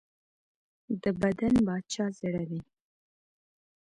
د بدن باچا زړه دی.